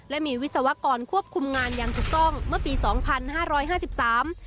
และมีวิศวกรควบคุมงานอย่างถูกต้องเมื่อปีสองพันห้าร้อยห้าสิบสาม